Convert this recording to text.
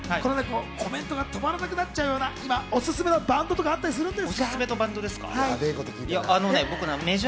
コメントが止まらなくなっちゃうような今、おすすめのバンドとかったあったりしますか？